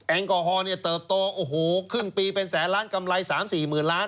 แอลกอฮอลเนี่ยเติบโตโอ้โหครึ่งปีเป็นแสนล้านกำไร๓๔หมื่นล้าน